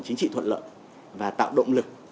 chính trị thuận lợi và tạo động lực